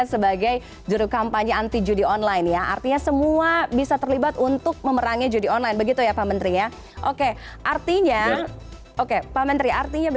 selamat sore pak menteri